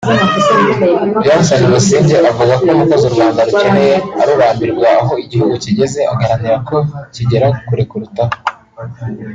Johnston Busingye avuga ko umukozi u Rwanda rukeneye ari urambirwa aho igihugu kigeze agaharanira ko kigera kure kurutaho